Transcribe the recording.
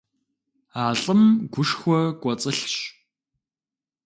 А лӀым гушхуэ кӀуэцӀылъщ.